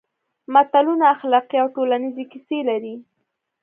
متلونه اخلاقي او ټولنیزې کیسې لري